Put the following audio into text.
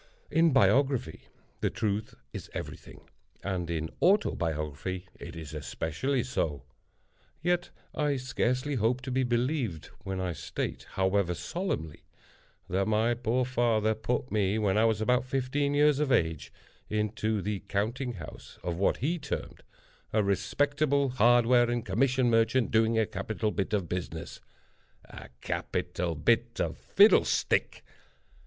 In biography the truth is every thing, and in autobiography it is especially so—yet I scarcely hope to be believed when I state, however solemnly, that my poor father put me, when I was about fifteen years of age, into the counting house of what be termed "a respectable hardware and commission merchant doing a capital bit of business!" A capital bit of fiddlestick!